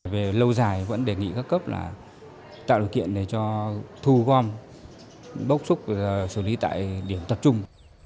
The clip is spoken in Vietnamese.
về lâu dài vẫn đề nghị các cấp tạo điều kiện để cho thu gom bốc xúc xử lý tại điểm tập trung